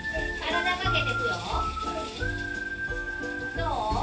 どう？